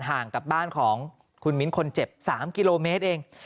ห่างกับบ้านของคุณมิ้นคนเจ็บ๓กิโลเมตรเอง